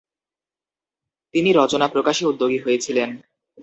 তিনি রচনা প্রকাশে উদ্যোগী হয়েছিলেন।